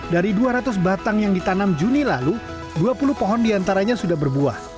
dari dua ratus batang yang ditanam juni lalu dua puluh pohon diantaranya sudah berbuah